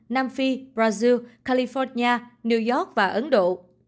nam phi brazil california new york và ấn độ